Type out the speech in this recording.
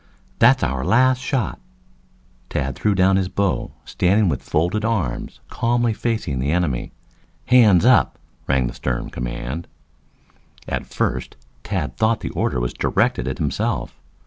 "That's our last shot." Tad threw down his bow, standing with folded arms calmly facing the enemy. "Hands up!" rang the stern command. At first, Tad thought the order was directed at himself.